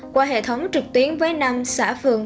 qua hệ thống trực tuyến với năm xã phường